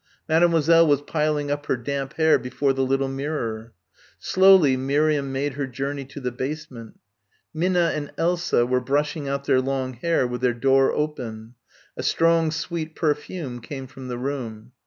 Mademoiselle was piling up her damp hair before the little mirror. Slowly Miriam made her journey to the basement. Minna and Elsa were brushing out their long hair with their door open. A strong sweet perfume came from the room.